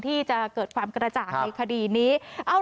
ที่จะเกิดความกระจ่างในคดีนี้